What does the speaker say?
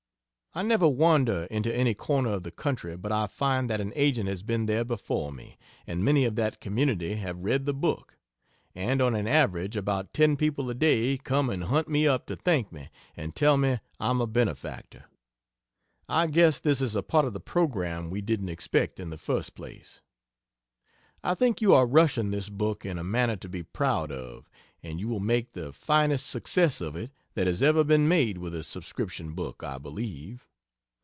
I never wander into any corner of the country but I find that an agent has been there before me, and many of that community have read the book. And on an average about ten people a day come and hunt me up to thank me and tell me I'm a benefactor! I guess this is a part of the programme we didn't expect in the first place. I think you are rushing this book in a manner to be proud of; and you will make the finest success of it that has ever been made with a subscription book, I believe.